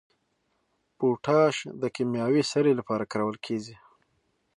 پوټاش د کیمیاوي سرې لپاره کارول کیږي.